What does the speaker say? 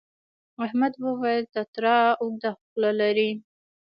احمد وویل تتارا اوږده خوله لري.